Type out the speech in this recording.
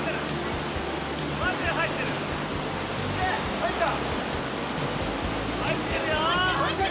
入った。